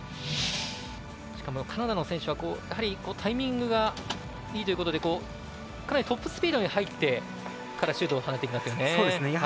しかもカナダの選手はタイミングがいいということでかなりトップスピードに入ってからシュートを放ってきますよね。